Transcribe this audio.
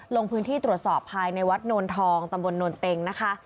ลงพื้นที่ตรวจสอบภายในวัดโนนทองตำบลโนนเต็งนะคะ